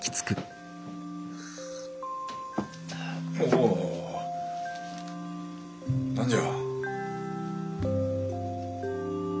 おお。何じゃ。